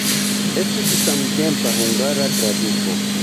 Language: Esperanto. Estis samtempa hungara traduko.